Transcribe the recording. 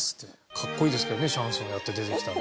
かっこいいですけどねシャンソンやって出てきたら。